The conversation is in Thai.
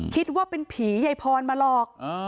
คิดว่าเป็นผียายพรมาหลอก